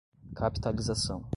capitalização